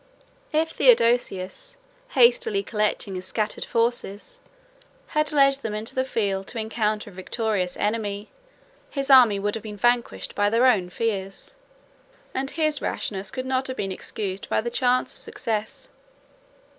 116 If Theodosius, hastily collecting his scattered forces, had led them into the field to encounter a victorious enemy, his army would have been vanquished by their own fears; and his rashness could not have been excused by the chance of success.